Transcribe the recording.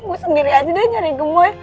gue sendiri aja deh nyari gemui